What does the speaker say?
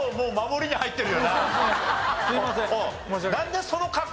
すいません。